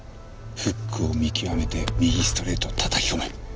フックを見極めて右ストレートをたたき込め。